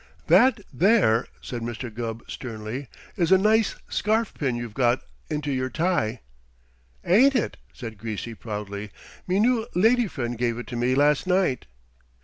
"That there," said Mr. Gubb sternly, "is a nice scarf pin you've got into your tie." "Ain't it?" said Greasy proudly. "Me new lady friend give it to me last night."